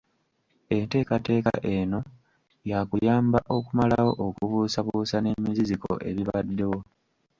Enteekateeka eno yaakuyamba okumalawo okubuusabuusa n’emiziziko ebibaddewo.